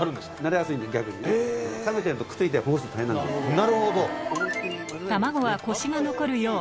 なるほど。